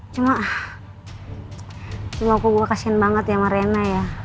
cuma ah cuma aku gue kasian banget ya sama rena ya